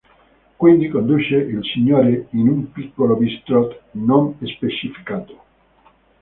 Quindi conduce il Signore in un piccolo Bistrot non specificato.